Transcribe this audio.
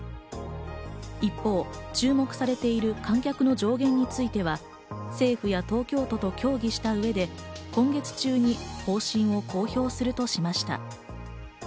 一方、注目されている観客の上限については、政府や東京都と協議した上で今月中に方針を公表するとしました。